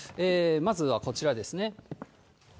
まずはこちらですね。